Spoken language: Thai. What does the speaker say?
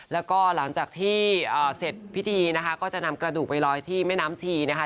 แล้วก็หลังจากที่เสร็จพิธีนะคะก็จะนำกระดูกไปลอยที่แม่น้ำชีนะคะ